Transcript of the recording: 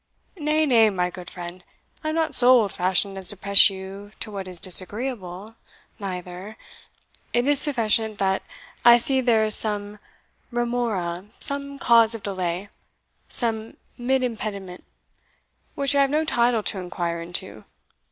"Nay, nay, my good friend, I am not so old fashioned as to press you to what is disagreeable, neither it is sufficient that I see there is some remora, some cause of delay, some mid impediment, which I have no title to inquire into.